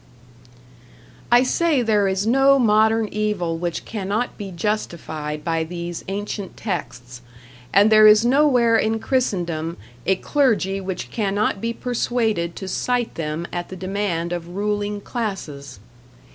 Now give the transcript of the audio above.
I say there is no modern evil which cannot be justified by these ancient texts; and there is nowhere in Christendom a clergy which cannot be persuaded to cite them at the demand of ruling classes.